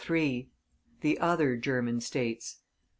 III. THE OTHER GERMAN STATES.